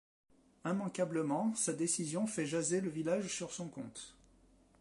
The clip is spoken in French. Immanquablement, sa décision fait jaser le village sur son compte.